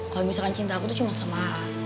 kalau misalkan cinta aku tuh cuma sama